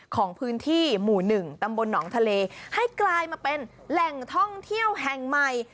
ของพื้นที่หมู่๑ตำบลหนองทะเลให้กลายมาเป็นแหล่งท่องเที่ยวแห่งใหม่